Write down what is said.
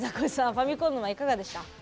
ファミコン沼いかがでした？